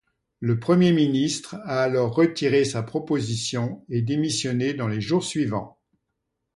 Le Premier ministre a alors retiré sa proposition et démissionné dans les jours suivants.